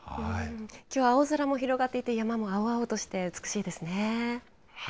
きょうは青空も広がっていて、山も青々として美しいですね。